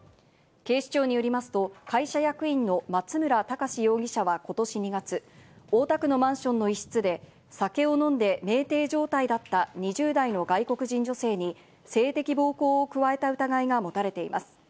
警視庁によりますと、会社役員の松村隆史容疑者は今年２月、大田区のマンションの一室で酒を飲んで酩酊状態だった２０代の外国人女性に性的暴行を加えた疑いがもたれています。